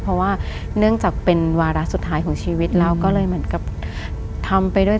เพราะว่าเนื่องจากเป็นวาระสุดท้ายของชีวิตเราก็เลยเหมือนกับทำไปด้วย